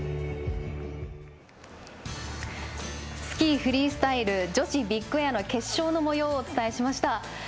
スキー・フリースタイル女子ビッグエアの決勝のもようをお伝えしました。